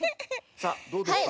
さあどうですか？